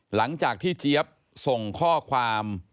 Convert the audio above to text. หลังจากที่เจี๊ยบส่งข้อความ